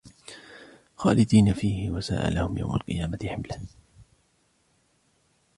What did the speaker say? خَالِدِينَ فِيهِ وَسَاءَ لَهُمْ يَوْمَ الْقِيَامَةِ حِمْلًا